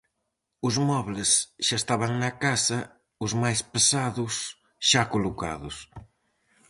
Os mobles xa estaban na casa, os máis pesados xa colocados.